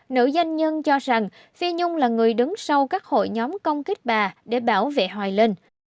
nữ doanh nhân cho rằng phi nhung là người đứng sau các hội nhóm công kích bà để bảo vệ hoài lên